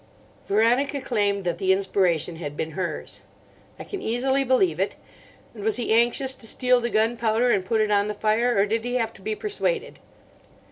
Veronica claimed that the inspiration had been hers. "I can easily believe it. And was he anxious to steal the gunpowder and put it on the fire, or did he have to be persuaded?"